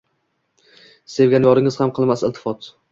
Sevgan yoringiz ham qilmas iltifot.